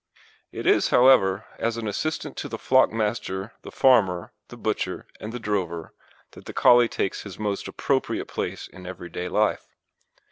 It is, however, as an assistant to the flock master the farmer, the butcher, and the drover that the Collie takes his most appropriate place in every day life.